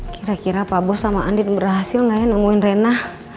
kira kira pak bos sama andin berhasil nggak ya nemuin renah